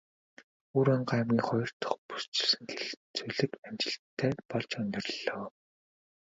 Өвөрхангай аймгийн хоёр дахь бүсчилсэн хэлэлцүүлэг амжилттай болж өндөрлөлөө.